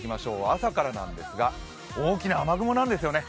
朝からなんですが、大きな雨雲なんですよね。